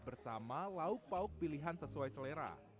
bersama lauk pauk pilihan sesuai selera